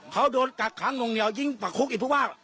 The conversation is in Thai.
เขาโดนกัดค้างลงเหนียวยิ่งประคุกอีกพูดว่า